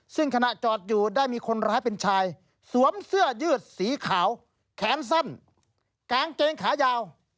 ซึ่งขณะจอดอยู่ได้มีคนร้ายเป็นชายสวมเสื้อยืดสีขาวแขนสั้นกางเกงขายาว